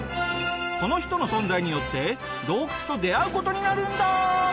この人の存在によって洞窟と出会う事になるんだ！